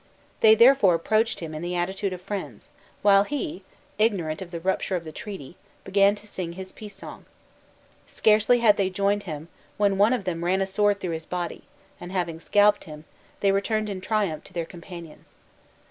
They therefore approached him in the attitude of friends; while he, ignorant of the rupture of the treaty, began to sing his peace song. Scarcely had they joined him, when one of them ran a sword through his body; and, having scalped him, they returned in triumph to their companions.